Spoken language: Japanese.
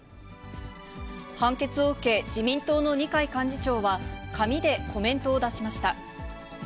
判決を受け、自民党の二階幹事長は、紙でコメントを出しました。